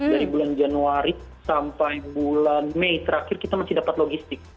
dari bulan januari sampai bulan mei terakhir kita masih dapat logistik